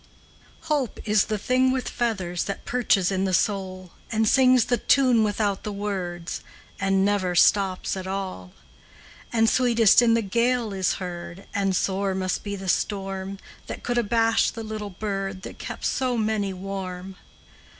Hope is the thing with feathers That perches in the soul, And sings the tune without the words, And never stops at all, And sweetest in the gale is heard; And sore must be the storm That could abash the little bird That kept so many warm.